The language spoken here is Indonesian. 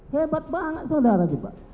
hebat banget saudara juga